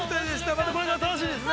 また、これからも楽しみですね。